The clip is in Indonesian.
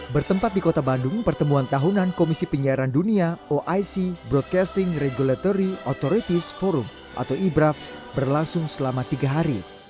bertempat di kota bandung pertemuan tahunan komisi penyiaran dunia oic broadcasting regulatory authorities forum atau ibraf berlangsung selama tiga hari